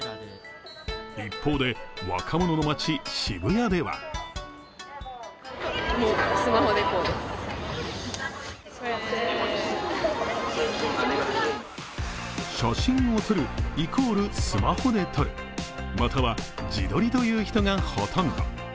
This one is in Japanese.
一方で、若者の街・渋谷では写真を撮る＝スマホで撮る、または、自撮りという人がほとんど。